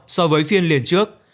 so với phiên liền trước